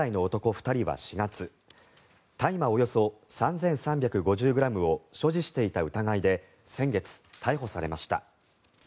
２人は４月大麻およそ３３５０ｇを所持していた疑いで先月、逮捕されました。